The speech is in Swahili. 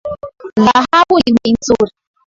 Dhahabu ni bei nzuri.